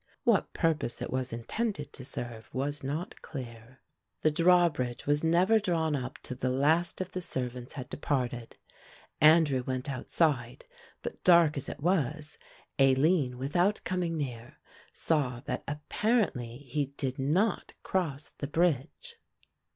What purpose it was intended to serve was not clear. The drawbridge was never drawn up till the last of the servants had departed. Andrew went outside, but dark as it was, Aline without coming near, saw that apparently he did not cross the bridge.